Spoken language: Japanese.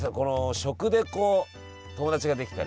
食で友達ができたりさ。